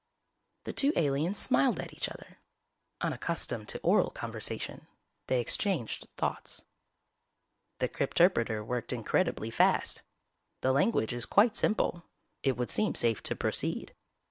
The two aliens smiled at each other. Unaccustomed to oral conversation, they exchanged thoughts. "_The crypterpreter worked incredibly fast. The language is quite simple. It would seem safe to proceed.